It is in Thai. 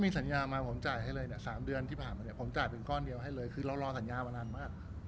สัญญามาผมจ่ายให้เลยเนี่ย๓เดือนที่ผ่านมาเนี่ยผมจ่ายเป็นก้อนเดียวให้เลยคือเรารอสัญญามานานมาก